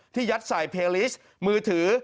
ยัดใส่เพลิสต์มือถือ